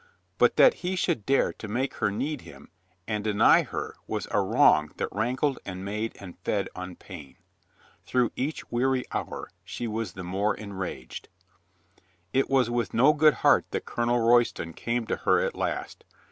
But that he should dare to make her need him and deny her was a wrong that rankled and made and fed on paiil. Through each weary hour she was the more en raged. It was with no good heart that Colonel Roystoh came to her at last.